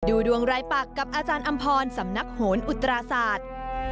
ดูดวงรายปักกับอาจารย์อำพรสำนักโหนอุตราศาสตร์